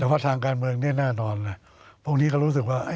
แต่ว่าทางการเมืองเนี่ยแน่นอนเลยพวกนี้ก็รู้สึกว่า